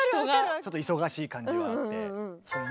ちょっと忙しい感じはあって。